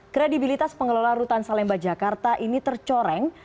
kredibilitas pengelola rutan salemba jakarta ini tercoreng